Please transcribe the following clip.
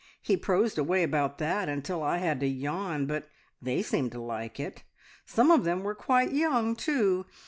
He prosed away about that until I had to yawn, but they seemed to like it. Some of them were quite young too.